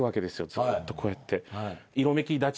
ずーっとこうやって。